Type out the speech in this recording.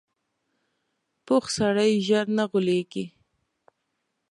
پوخ سړی ژر نه غولېږي